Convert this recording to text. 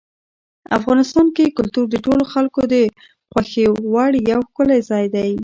افغانستان کې کلتور د ټولو خلکو د خوښې وړ یو ښکلی ځای دی.